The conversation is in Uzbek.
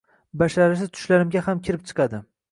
Basharasi tushlarimga ham kirib chiqadi!